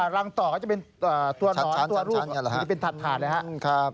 รังต่อก็จะเป็นตัวรูปเป็นถาดนะครับ